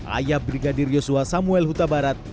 ayah brigadir yosua samuel huta barat